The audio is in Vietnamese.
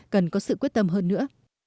cần có sự quyết tâm hơn nữa